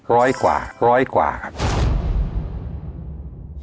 ร้อยกว่าร้อยกว่าครับ